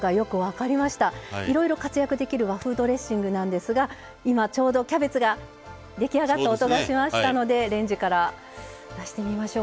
いろいろ活躍できる和風ドレッシングなんですが今ちょうどキャベツが出来上がった音がしましたのでレンジから出してみましょうか。